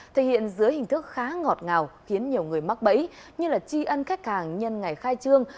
thể hiện dưới hình thức khá ngọt ngào khiến nhiều người mắc bẫy như chi ân khách hàng nhân ngày khai trương